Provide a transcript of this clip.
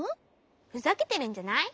ふざけてるんじゃない？